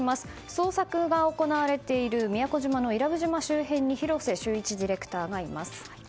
捜索が行われている宮古島の伊良部島周辺に広瀬修一ディレクターがいます。